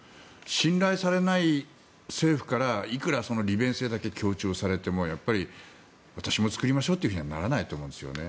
信頼されない政府からいくら利便性だけ強調されてもやっぱり私も作りましょうとはならないと思うんですね。